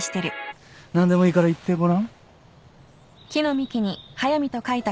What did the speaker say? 何でもいいから言ってごらん。